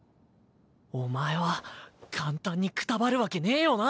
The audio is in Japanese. お前は簡単にくたばるわけねぇよな。